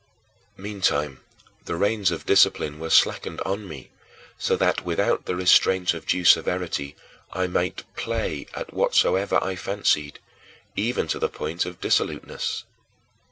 Meantime, the reins of discipline were slackened on me, so that without the restraint of due severity, I might play at whatsoever I fancied, even to the point of dissoluteness.